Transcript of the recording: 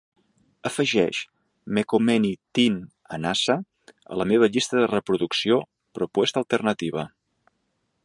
Afegeix "Me Kommeni Tin Anasa" a la meva llista de reproducció "Propuesta alternativa".